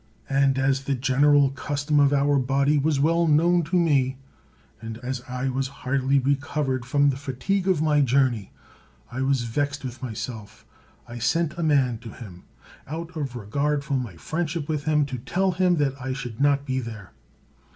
And as the general custom of our body was well known to me, and as I was hardly recovered from the fatigue of my journey, and was vexed with myself, I sent a man to him, out of regard for my friendship with him, to tell him that I should not be there.